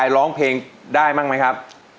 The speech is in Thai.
ร้องมั้ยครับ